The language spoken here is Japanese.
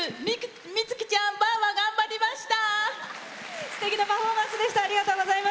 みつきちゃんばあば、頑張りました！